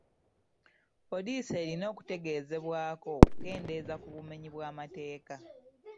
Police erina okutegezebwako okukendeeza ku bumenyi bw'amateeka.